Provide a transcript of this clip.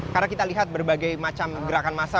karena kita lihat berbagai macam gerakan massa